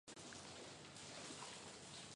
曾执教祖云达斯青年队及法甲阿雅克肖。